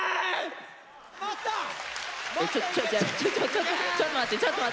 ちょっとちょっと待ってちょっと待って。